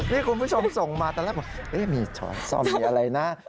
นี่คุณผู้ชมส่งมาตอนแรกบอกมีช้อนซ่อมมีอะไรนะ